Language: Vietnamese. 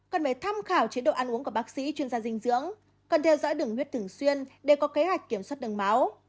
cần phải tham khảo chế độ ăn uống của bác sĩ chuyên gia dinh dưỡng cần theo dõi đường huyết thường xuyên để có kế hoạch kiểm soát đường máu